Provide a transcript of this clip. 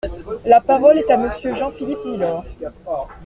La parole est à Monsieur Jean-Philippe Nilor.